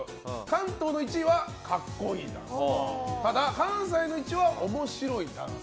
関東の１位は格好いいただ、関西の１位は面白い。